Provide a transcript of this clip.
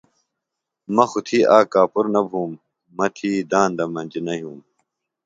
مہ خوۡ تھی آک کاپُر نہ بُھوم مہ تھی داندم مجیۡ نہ یُھوم